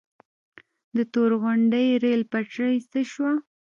د تورغونډۍ ریل پټلۍ څه شوه؟